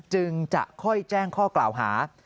จึงจะค่อยแจ้งข้อกล่าวหา